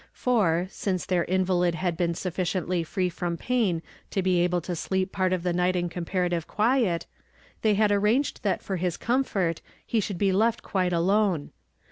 For, since their nivahd luul b(>en suHiciently free from pain to be able to sleei, P'lrt of the night in eon)parative quiet, they Imd arranged that for his comfort lie should be left quite alone.